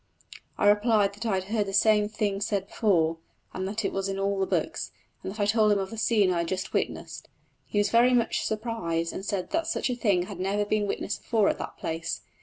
I replied that I had heard the same thing said before, and that it was in all the books; and then I told him of the scene I had just witnessed. He was very much surprised, and said that such a thing had never been witnessed before at that place.